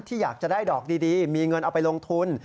อยากจะได้ดอกดีมีเงินเอาไปลงทุน